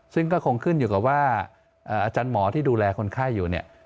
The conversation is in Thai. ซึ่งก็คงขึ้นอยู่กับว่าอาจารย์หมอที่ดูแลคนไข้อยู่เนี่ย